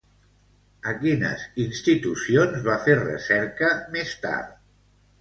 A quines institucions va fer recerca més tard?